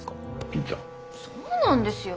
そうなんですよ。